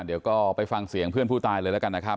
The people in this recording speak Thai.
เดี๋ยวก็ไปฟังเสียงเพื่อนผู้ตายเลยแล้วกันนะครับ